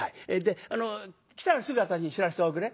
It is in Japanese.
来たらすぐ私に知らせておくれ。